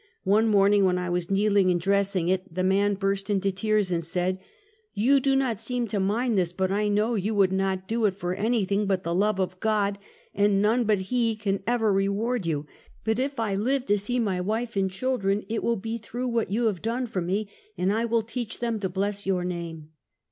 One morning when I was kneeling and dressing it, the man burst into tears, and said: " You do not seem to mind this, but I know you would not do it for anything but the love of God, and none but He can ever reward you; but if I live to see my w^ife and children, it will be through what you have done for me, and I will teach them to bless your name!